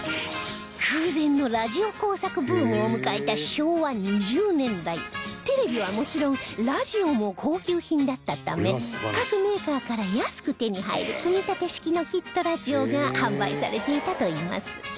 空前のラジオ工作ブームを迎えた昭和２０年代テレビはもちろんラジオも高級品だったため各メーカーから安く手に入る組み立て式のキットラジオが販売されていたといいます